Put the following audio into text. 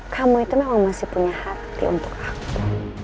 kamu itu memang masih punya hati untuk aku